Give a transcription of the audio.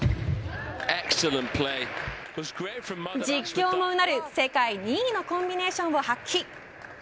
実況もうなる世界２位のコンビネーションを発揮。